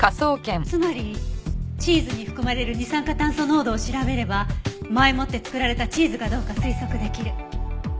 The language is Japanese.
つまりチーズに含まれる二酸化炭素濃度を調べれば前もって作られたチーズかどうか推測できる。